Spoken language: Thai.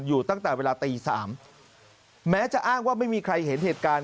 อยู่ตั้งแต่เวลาตีสามแม้จะอ้างว่าไม่มีใครเห็นเหตุการณ์